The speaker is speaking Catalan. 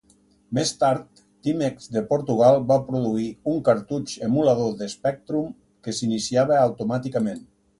Més tard, Timex de Portugal va produir un cartutx emulador de Spectrum que s'iniciava automàticament.